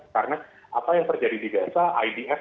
karena apa yang terjadi di gaza idf